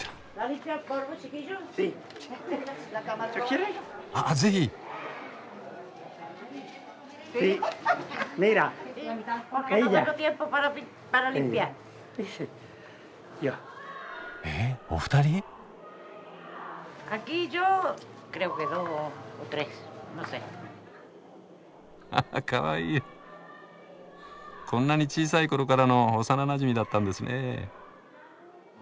こんなに小さい頃からの幼なじみだったんですね。